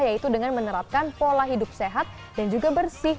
yaitu dengan menerapkan pola hidup sehat dan juga bersih